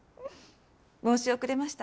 申し遅れました。